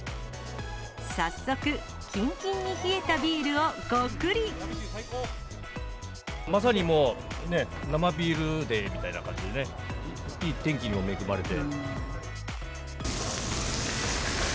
早速、キンキンに冷えたビールをまさにもう、生ビールデーみたいな感じでね、いい天気にも恵まれて。